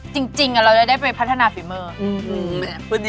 จริงเราได้ไปพัฒนาฝีมือ